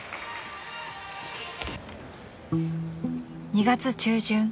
［２月中旬。